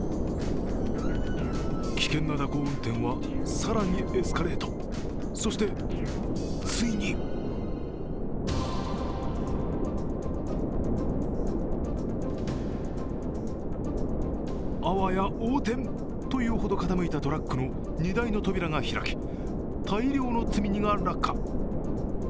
危険な蛇行運転は更にエスカレート、そしてついにあわや横転、というほど傾いたトラックの荷台の扉が開き大量の積み荷が落下。